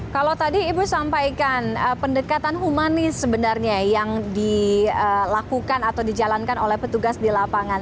kalau tadi ibu sampaikan pendekatan humanis sebenarnya yang dilakukan atau dijalankan oleh petugas di lapangan